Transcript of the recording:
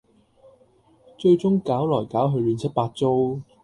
最終搞來搞去亂七八糟